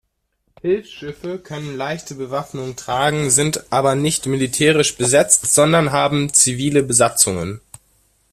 Hilfsschiffe können leichte Bewaffnung tragen, sind aber nicht militärisch besetzt, sondern haben zivile Besatzungen.